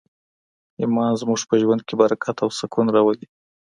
ایمان زموږ په ژوند کي برکت او سکون راولي.